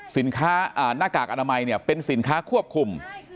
สินค้าหน้ากากอนามัยเนี่ยเป็นสินค้าควบคุม